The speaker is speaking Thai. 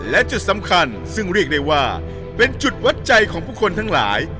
และจุดสำคัญซึ่งเรียกได้ว่าเป็นจุดวัดใจของผู้คนทั้งหลาย